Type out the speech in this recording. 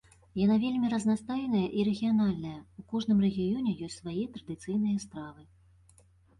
Яна вельмі разнастайная і рэгіянальная, у кожным рэгіёне ёсць свае традыцыйныя стравы.